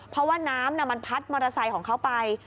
เพราะว่าน้ำมันพัดมอเตอร์ไซค์ของเขาไป